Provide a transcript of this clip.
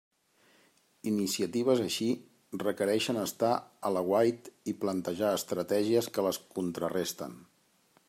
Iniciatives així requereixen estar a l'aguait i plantejar estratègies que les contraresten.